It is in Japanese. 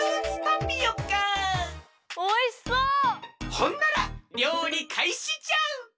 ほんならりょうりかいしじゃ！